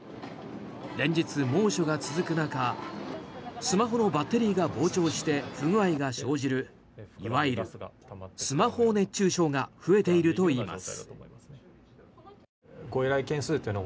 連日、猛暑が続く中スマホのバッテリーが膨張して不具合が生じるいわゆるスマホ熱中症が増えているといいます。